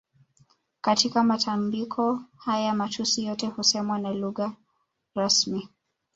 Katika matambiko haya matusi yote husemwa na ndio lugha rasmi